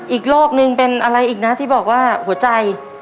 อีกโรคนึงเป็นอะไรอีกนะที่บอกว่าหัวใจ